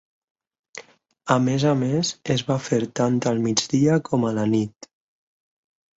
A més a més es va fer tant al migdia com a la nit.